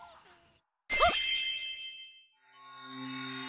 あっ！